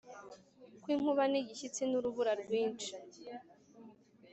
kw’inkuba, n’igishyitsi n’urubura rwinshi.